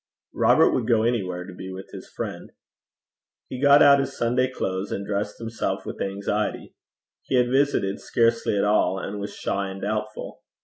Robert would go anywhere to be with his friend. He got out his Sunday clothes, and dressed himself with anxiety: he had visited scarcely at all, and was shy and doubtful.